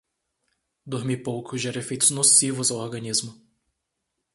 Dormir pouco gera efeitos nocivos ao organismo